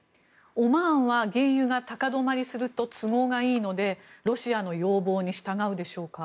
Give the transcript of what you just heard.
オマーンは原油が高止まりすると都合がいいのでロシアの要望に従うでしょうか。